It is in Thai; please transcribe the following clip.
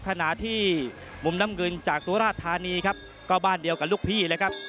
ขณะที่มุมน้ำเงินจากสุราธานีครับก็บ้านเดียวกับลูกพี่เลยครับ